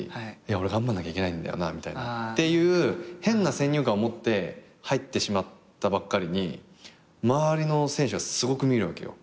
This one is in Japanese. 俺頑張んなきゃいけないんだよなみたいなっていう変な先入観を持って入ってしまったばっかりに周りの選手がすごく見えるわけよ。